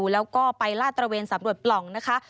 สวัสดีค่ะสวัสดีค่ะ